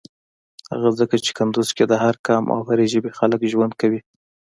هغه ځکه چی کندوز کی د هر قام او هری ژبی خلک ژوند کویی.